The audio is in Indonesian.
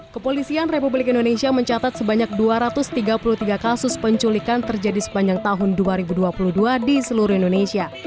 kepolisian republik indonesia mencatat sebanyak dua ratus tiga puluh tiga kasus penculikan terjadi sepanjang tahun dua ribu dua puluh dua di seluruh indonesia